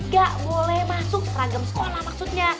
gak boleh masuk seragam sekolah maksudnya